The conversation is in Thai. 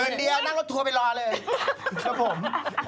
เดียวนั่งรถทัวร์ไปรอเลยครับผม